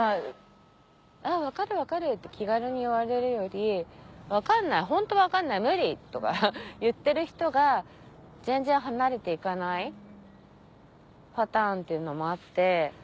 「あ分かる分かる」って気軽に言われるより「分かんないホント分かんない無理」とか言ってる人が全然離れて行かないパターンっていうのもあって。